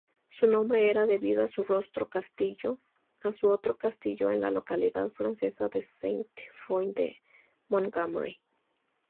Su nombre era debido a su otro castillo, en la localidad francesa de Sainte-Foy-de-Montgommery.